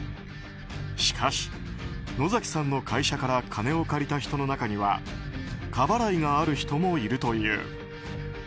しかし、野崎さんの会社から金を借りた人の中には過払いがある人もいるという。